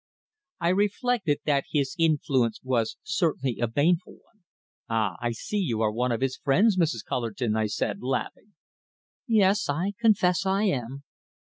I reflected that his influence was certainly a baneful one. "Ah! I see you are one of his friends, Mrs. Cullerton!" I said, laughing. "Yes I confess I am."